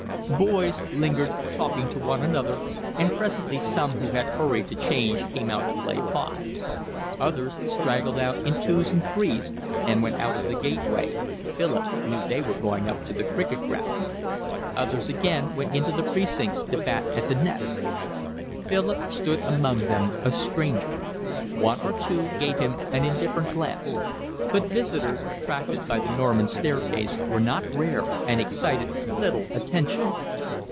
Boys lingered talking to one another, and presently some who had hurried to change came out to play fives; others straggled out in twos and threes and went out of the gateway, Philip knew they were going up to the cricket ground; others again went into the precincts to bat at the nets. Philip stood among them a stranger; one or two gave him an indifferent glance; but visitors, attracted by the Norman staircase, were not rare and excited little attention.